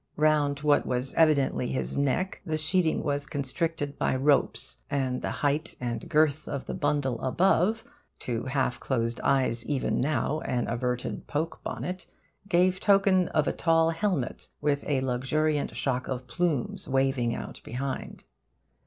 Round what was evidently his neck the sheeting was constricted by ropes; and the height and girth of the bundle above to half closed eyes, even now, an averted poke bonnet gave token of a tall helmet with a luxuriant shock of plumes waving out behind.